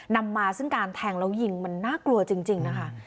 นำมาซึ่งการแทงแล้วยิงมันน่ากลัวจริงนะคะ